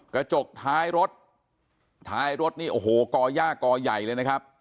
กระจกท้ายรถท้ายรถนี่โอ้โหก่อย่ากอใหญ่เลยนะครับ